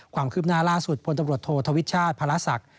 ความคืบหน้าล่าสุดพลตำรวจโทษธวิชาติภาระศักดิ์